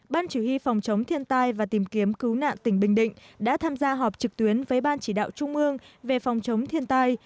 ban chủ y phòng chống thiên tai và tìm kiếm cứu nạn tỉnh bình định đã tham gia họp trực tuyến với ban chỉ đạo trung ương về phòng chống thiên tai